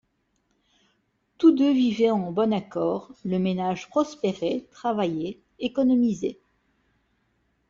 Tous deux vivaient en bon accord, le ménage prospérait, travaillait, économisait.